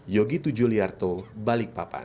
yogi tujuhliarto balikpapan